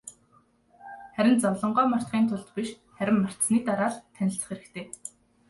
Харин зовлонгоо мартахын тулд биш, харин мартсаны дараа л танилцах хэрэгтэй.